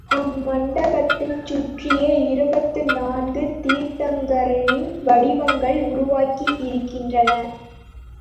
அம்மண்டபத்தைச் சுற்றியே இருபத்து நான்கு தீர்த்தங்கரரின் வடிவங்கள் உருவாகியிருக்கின்றன.